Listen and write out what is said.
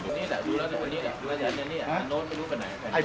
สวัสดีครับ